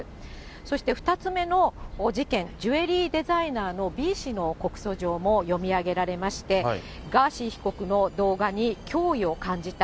そして２つ目の事件、ジュエリーデザイナーのＢ氏の告訴状も読み上げられまして、ガーシー被告の動画に脅威を感じた。